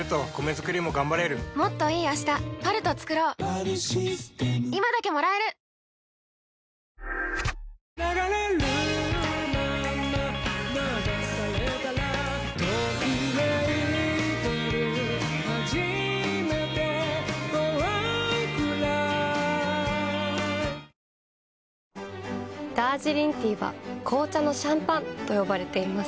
選ぶ日がきたらクリナップダージリンティーは紅茶のシャンパンと呼ばれています。